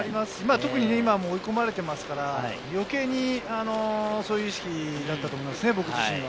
特に今、追い込まれていますから、余計にそういう意識だったと思いますね、僕自身は。